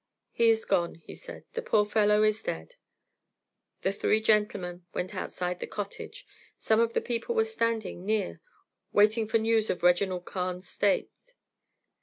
"He is gone," he said, "the poor fellow is dead." The three gentlemen went outside the cottage; some of the people were standing near waiting for news of Reginald Carne's state.